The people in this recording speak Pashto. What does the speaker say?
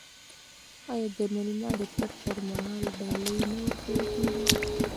آیا د میلمه د تګ پر مهال ډالۍ نه ورکول کیږي؟